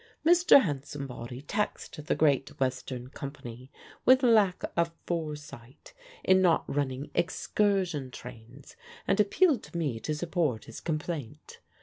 Mr. Hansombody taxed the Great Western Company with lack of foresight in not running excursion trains, and appealed to me to support his complaint.